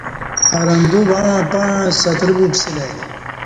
ارندو وݩع پݩع سترہ وپسیلہ ای